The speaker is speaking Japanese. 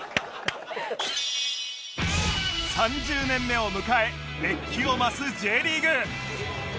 ３０年目を迎え熱気を増す Ｊ リーグ